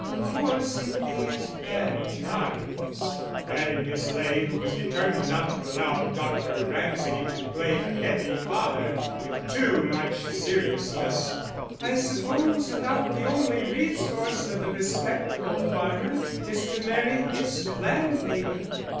"Of course in these bad times," added Miss Ley, who was determined not to allow Dr. Ramsay to play the heavy father with too much seriousness, "I suppose about the only resource of the respectable farmer is to marry his landlady."